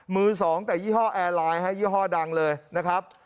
มือสองแต่ยี่ห้อแอร์ไลน์ยี่ห้อดังเลยนะครับ